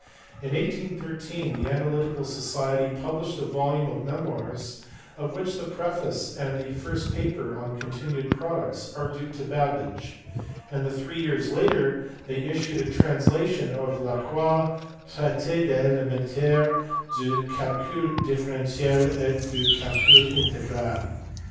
In 1813 the Analytical Society published a volume of memoirs, of which the preface and the first paper (on continued products) are due to Babbage; and three years later they issued a translation of Lacroix s Traite elementaire du calcul differential et du calcul integral.